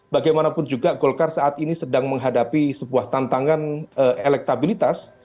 bagaimanapun juga golkar saat ini sedang menghadapi sebuah tantangan elektabilitas